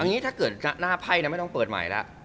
อย่างนี้ถ้าเกิดหน้าไพ่ไม่ต้องเปิดใหม่แล้ว